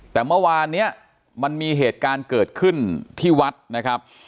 แต่เมื่อวานเนี่ยมันมีเหตุการณ์เกิดขึ้นที่วัดนะครับ